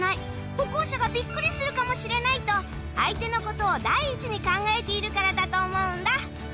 「歩行者がびっくりするかもしれない」と相手のことを第一に考えているからだと思うんだ。